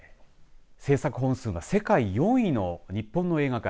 制作本数が世界４位の日本の映画界。